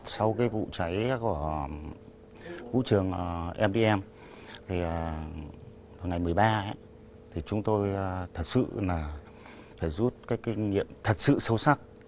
sau vụ cháy của vũ trường mdm ngày một mươi ba chúng tôi thật sự rút kinh nghiệm thật sự sâu sắc